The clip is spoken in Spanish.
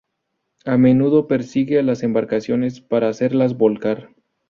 A menudo persigue a las embarcaciones para hacerlas volcar.